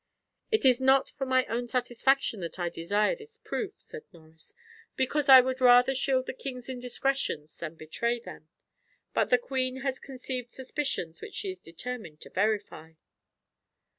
"It is not for my own satisfaction that I desire this proof," said Norris, "because I would rather shield the king's indiscretions than betray them. But the queen has conceived suspicions which she is determined to verify."